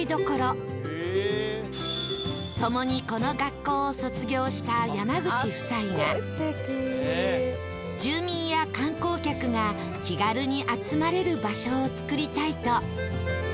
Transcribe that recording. ともにこの学校を卒業した山口夫妻が住民や観光客が気軽に集まれる場所を作りたいと